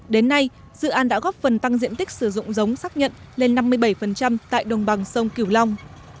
đến nay dự án đã góp phần tăng diện tích sử dụng giống xác nhận lên năm mươi bảy tại đồng bằng sông cửu long